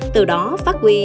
từ đó phát huy